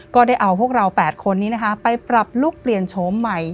ก็ได้เอาพวกเรา๘คนนี้นะคะไปปรับลุคเปลี่ยนโฉมใหม่